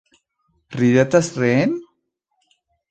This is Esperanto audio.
Ridetas reen?